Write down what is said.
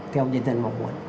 theo nhân dân mong muốn